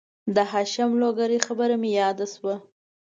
د هاشم لوګرې خبره مې را یاده شوه